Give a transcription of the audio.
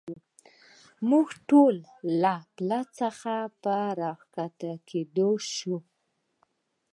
موږ ټول له پله څخه په را کښته کېدو شو.